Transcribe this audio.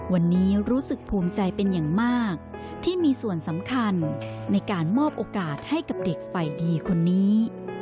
วันนี้รู้สึกภูมิใจเป็นอย่างมากที่มีส่วนสำคัญในการมอบโอกาสให้กับเด็กฝ่ายดีคนนี้